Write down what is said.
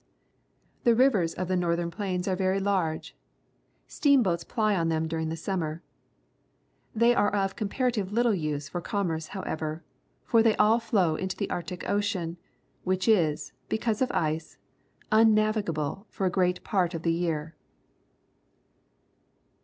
The rivers of the northern plains are very large. Steamboats ply on them during the summer. They are of comparatively little use 204 PUBLIC SCHOOL GEOGRAPHY for commerce, however, for they all flow into the Arctic Ocean, which is, because of ice, unnavigable for a great part of the year.